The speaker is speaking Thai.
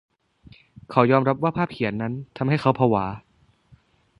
เขายอมรับว่าภาพเขียนนั้นทำให้เขาผวา